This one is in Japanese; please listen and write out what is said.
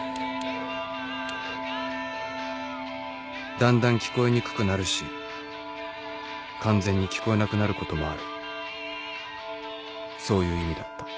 だんだん聞こえにくくなるし完全に聞こえなくなることもある